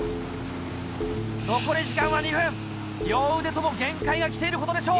残り時間は２分両腕とも限界がきていることでしょう。